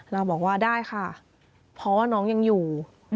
เราบอกว่าได้ค่ะเพราะว่าน้องยังอยู่